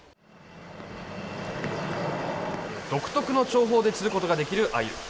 独特の釣法で釣ることができるアユ。